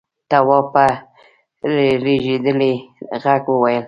تواب په رېږدېدلي غږ وويل: